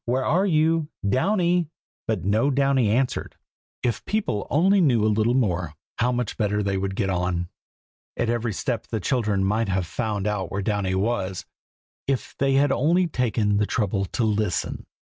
where are you, Downy?" but no Downy answered. If people only knew a little more, how much better they would get on! at every step the children might have found out where Downy was, if they had only taken the trouble to listen.